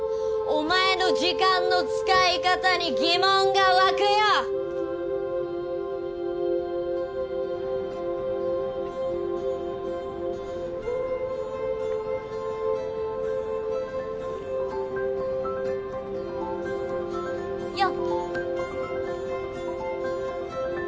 お前の時間の使い方に疑問が湧くよよっ！